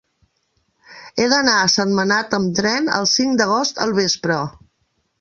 He d'anar a Sentmenat amb tren el cinc d'agost al vespre.